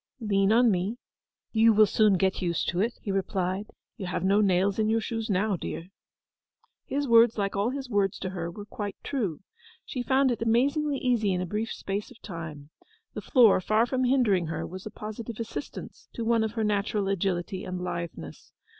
'Lean on me; you will soon get used to it,' he replied. 'You have no nails in your shoes now, dear.' His words, like all his words to her, were quite true. She found it amazingly easy in a brief space of time. The floor, far from hindering her, was a positive assistance to one of her natural agility and litheness.